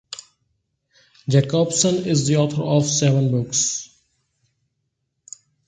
Jacobsen is the author of seven books.